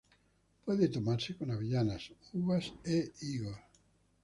Puede tomarse con avellanas, uvas e higos.